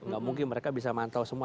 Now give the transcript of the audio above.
gak mungkin mereka bisa mantau semua